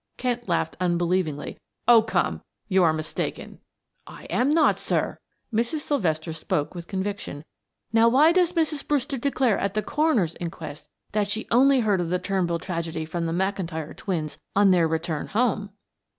Kent laughed unbelievingly. "Oh, come, you are mistaken." "I am not, sir." Mrs. Sylvester spoke with conviction. "Now, why does Mrs. Brewster declare at the coroner's inquest that she only heard of the Turnbull tragedy from the McIntyre twins on their return home?"